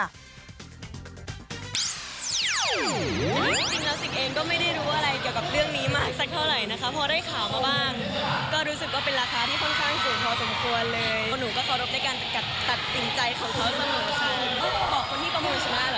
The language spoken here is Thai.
ทุกคนเห็นกันอีกนะคะ